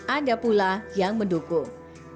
ada pula yang mendukung